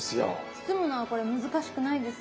包むのはこれ難しくないですか？